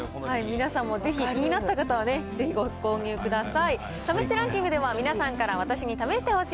皆さんもぜひ、気になった方はね、ぜひご購入ください。